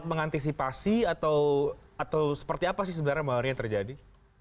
telat mengantisipasi atau seperti apa sih sebenarnya malam ini yang terjadi